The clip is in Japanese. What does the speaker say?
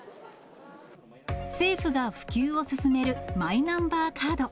政府が普及を進めるマイナンバーカード。